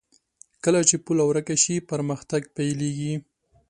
کله چې پوله ورکه شي، پرمختګ پيلېږي.